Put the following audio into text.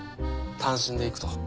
単身で行くと。